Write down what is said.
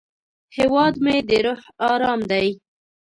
هیواد مې د روح ارام دی